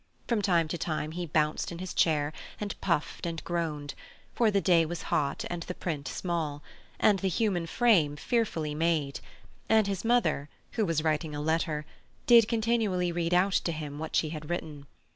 From time to time he bounced in his chair and puffed and groaned, for the day was hot and the print small, and the human frame fearfully made; and his mother, who was writing a letter, did continually read out to him what she had written.